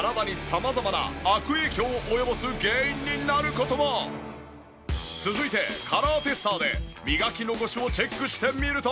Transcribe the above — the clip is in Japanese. しかもその続いてカラーテスターで磨き残しをチェックしてみると。